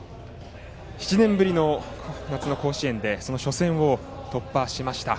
７年ぶりの夏の甲子園その初戦を突破しました。